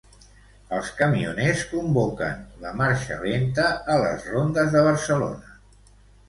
Els camioners convoquen la marxa lenta a les rondes de Barcelona.